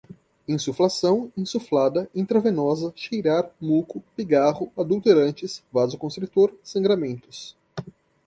insuflação, insuflada, intravenosa, cheirar, muco, pigarro, adulterantes, vasoconstritor, sangramentos